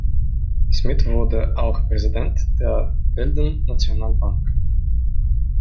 Smith wurde auch Präsident der "Welden National Bank".